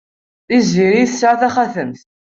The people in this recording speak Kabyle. Tiziri tesɛa taxatemt.